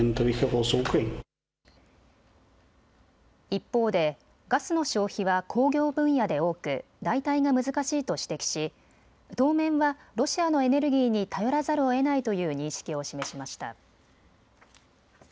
一方でガスの消費は工業分野で多く代替が難しいと指摘し当面はロシアのエネルギーに頼らざるをえないという認識を示しました。